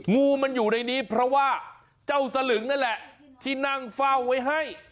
งูมันอยู่ในนี้เพราะว่าเจ้าสลึงนั่นแหละที่นั่งเฝ้าไว้ให้